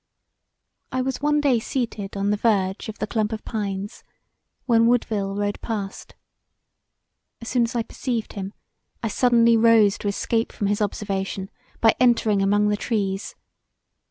I was one day seated on the verge of the clump of pines when Woodville rode past. As soon as I perceived him I suddenly rose to escape from his observation by entering among the trees.